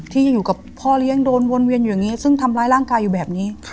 ที่อยู่กับพ่อเลี้ยงโดนวนเวียนอยู่อย่างนี้ซึ่งทำร้ายร่างกายอยู่แบบนี้